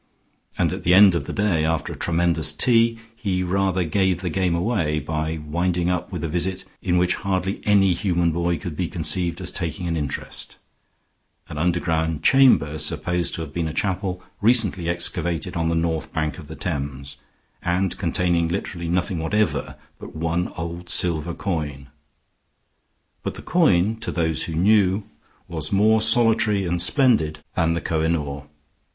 And at the end of the day, after a tremendous tea, he rather gave the game away by winding up with a visit in which hardly any human boy could be conceived as taking an interest an underground chamber supposed to have been a chapel, recently excavated on the north bank of the Thames, and containing literally nothing whatever but one old silver coin. But the coin, to those who knew, was more solitary and splendid than the Koh i noor.